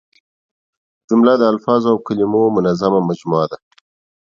جمله د الفاظو او کلیمو منظمه مجموعه ده.